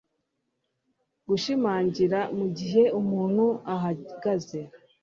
Gushimangira mu gihe umuntu ahagaze